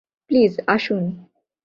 Please, আসুন।